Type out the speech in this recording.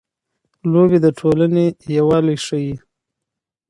لوبې د ټولنې یووالی ښيي.